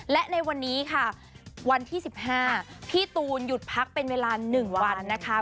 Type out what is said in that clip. และในวันนี้ค่ะวันที่๑๕พี่ตูนหยุดพักเป็นเวลา๑วันนะคะ